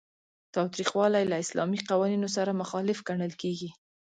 تاوتریخوالی له اسلامي قوانینو سره مخالف ګڼل کیږي.